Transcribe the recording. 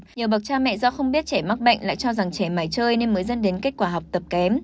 nhiều bậc cha mẹ do không biết trẻ mắc bệnh lại cho rằng trẻ mải chơi nên mới dẫn đến kết quả học tập kém